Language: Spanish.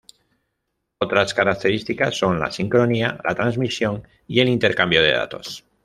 Otras características son la sincronía, la transmisión y el intercambio de datos.